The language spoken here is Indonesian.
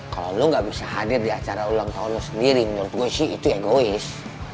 kalau lo gak bisa hadir di acara ulang tahun sendiri menurut gue sih itu egois